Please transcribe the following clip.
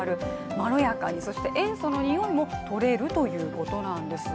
まろやかに、そして塩素の臭いも取れるということなんです。